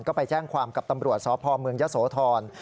ก็ไปแจ้งความกับตำรวจสพเมืองยะโสธร